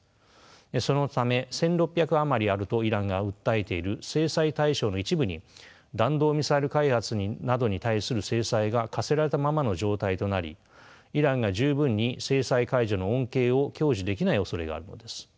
そのため１，６００余りあるとイランが訴えている制裁対象の一部に弾道ミサイル開発などに対する制裁が科せられたままの状態となりイランが十分に制裁解除の恩恵を享受できないおそれがあるのです。